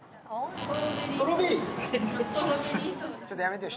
ちょっとやめてよ。